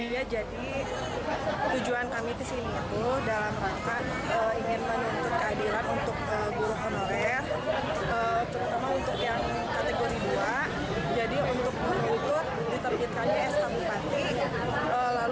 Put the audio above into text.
jadi tujuan kami kesini itu dalam rangka ingin menuntut keadilan